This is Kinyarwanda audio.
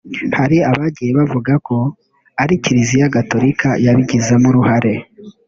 Hari abagiye bavuga ko ari Kiliziya Gatolika yabigizemo uruhare